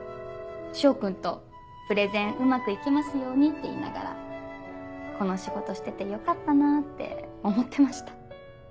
翔君と「プレゼンうまく行きますように」って言いながらこの仕事しててよかったなって思ってました。